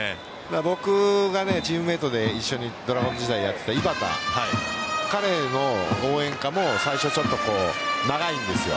僕がチームメートで一緒にドラゴンズ時代やっていた井端彼の応援歌も最初ちょっと長いんですよ。